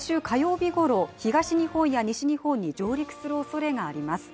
日ごろ東日本や西日本に上陸するおそれがあります。